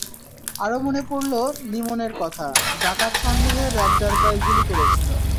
আরও মনে পড়ল লিমনের কথা, ডাকাত সন্দেহে র্যাব যার পায়ে গুলি করেছিল।